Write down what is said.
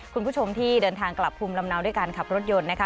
คุณผู้ชมที่เดินทางกลับภูมิลำเนาด้วยการขับรถยนต์นะคะ